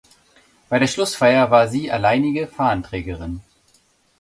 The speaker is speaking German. Bei der Schlussfeier war sie alleinige Fahnenträgerin.